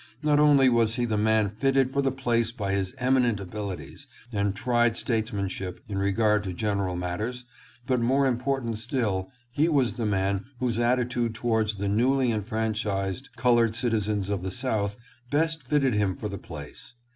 Not only was he the man fitted for the place by his eminent abilities and tried statesmanship in regard to general 718 PREFERENCE FOR JOHN SHERMAN. matters, but more important still, he was the man whose attitude towards the newly enfranchised colored citizens of the South best fitted him for the place.